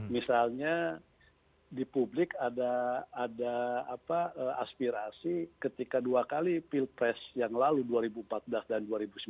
misalnya di publik ada aspirasi ketika dua kali pilpres yang lalu dua ribu empat belas dan dua ribu sembilan belas